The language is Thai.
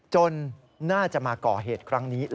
จนน่าจะมาก่อเหตุครั้งนี้แล่วสุด